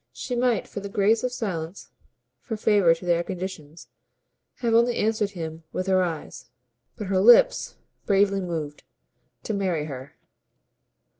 She might for the grace of silence, for favour to their conditions, have only answered him with her eyes. But her lips bravely moved. "To marry her."